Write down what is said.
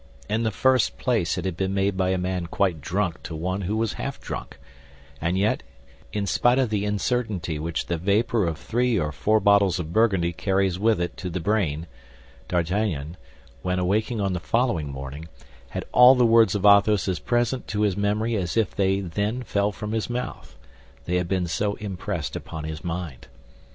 In the first place it had been made by a man quite drunk to one who was half drunk; and yet, in spite of the incertainty which the vapor of three or four bottles of Burgundy carries with it to the brain, D'Artagnan, when awaking on the following morning, had all the words of Athos as present to his memory as if they then fell from his mouth—they had been so impressed upon his mind.